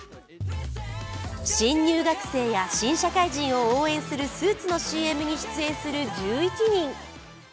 新入学生や新社会人を応援するスーツのＣＭに出演する１１人。